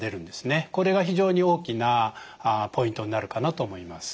これが非常に大きなポイントになるかなと思います。